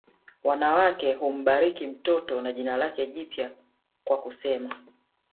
Wanawake humbariki mtoto na jina lake jipya kwa kusema